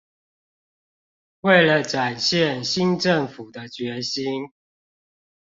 為了展現新政府的決心